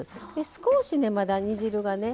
少しねまだ煮汁はね